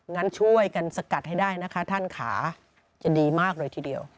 งั้นช่วยกันสกัดให้ได้นะคะท่านขาจะดีมากเลยทีเดียว